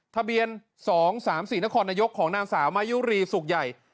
ทะเบียน๒๓๔นครนายกของนางสาวมายุรีสุขใหญ่